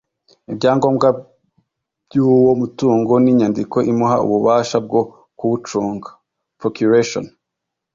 ibyangombwa by’uwo mutungo n’inyandiko imuha ububasha bwo kuwucunga (procuration)